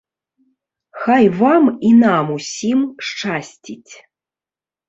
Хай вам і нам ўсім шчасціць!